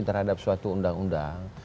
terhadap suatu undang undang